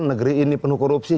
negeri ini penuh korupsi